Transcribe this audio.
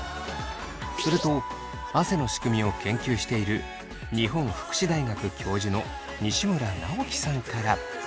すると汗の仕組みを研究している日本福祉大学教授の西村直記さんから。